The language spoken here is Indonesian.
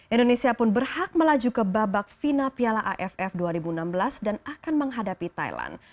indonesia pun berhak melaju ke babak final piala aff dua ribu enam belas dan akan menghadapi thailand